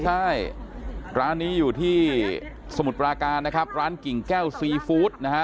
ใช่ร้านนี้อยู่ที่สมุทรปราการนะครับร้านกิ่งแก้วซีฟู้ดนะฮะ